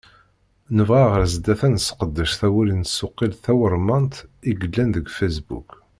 Nebɣa ɣer sdat ad nesseqdec tawuri n tsuqilt tawurmant i yellan deg Facebook.